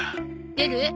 出る？